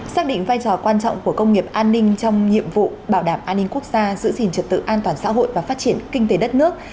xác định vai trò quan trọng của công nghiệp an ninh trong nhiệm vụ bảo đảm an ninh quốc gia giữ gìn trật tự an toàn xã hội và phát triển kinh tế đất nước